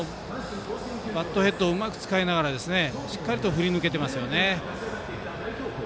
バットヘッドをうまく使いながらしっかりと振りぬけてますよね。